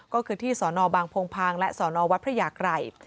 ก็คือที่สบพและสวพระยากรัย